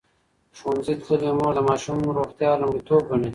ښوونځې تللې مور د ماشوم روغتیا لومړیتوب ګڼي.